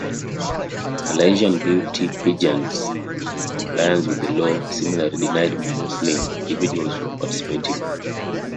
Malaysian beauty pageants, in compliance with the law, similarly denied Muslim individuals from participating.